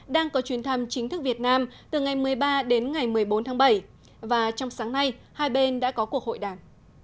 đang có chuyến thăm chính thức việt nam từ ngày một mươi ba đến ngày một mươi bốn tháng bảy và trong sáng nay hai bên đã có cuộc hội đàm